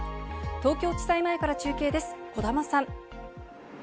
東京地裁前から中継です、児玉さん。